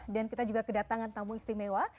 kita juga kedatangan tamu istimewa